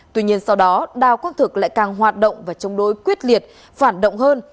tuy nhiên sau đó đào quang thực lại càng hoạt động và chống đối quyết liệt phạt động hơn